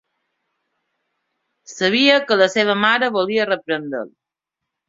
Sabia que la seva mare volia reprendre'l.